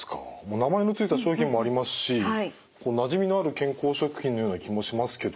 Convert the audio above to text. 名前の付いた商品もありますしなじみのある健康食品のような気もしますけどね。